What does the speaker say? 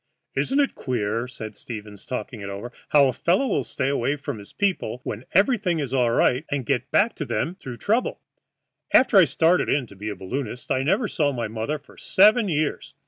"Isn't it queer," said Stevens, talking it over, "how a fellow will stay away from his people when everything is all right, and get back to them through trouble? After I started in to be a balloonist I never saw my mother for seven years.